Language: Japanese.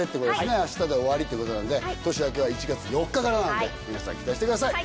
明日で終わりってことなんで年明けは１月４日からなんで皆さん期待してください。